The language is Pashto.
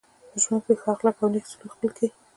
په ژوند کي ښه اخلاق او نېک سلوک خپل کئ.